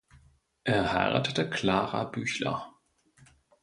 Er heiratete Klara Büchler.